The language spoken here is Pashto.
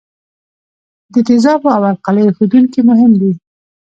د تیزابو او القلیو ښودونکي مهم دي.